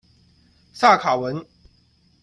萨卡文。